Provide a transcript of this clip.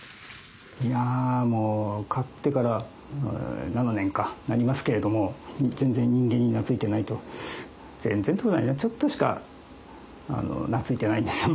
いやもう飼ってから７年かなりますけれども全然人間に懐いてないと全然ってことないねちょっとしか懐いてないんですよ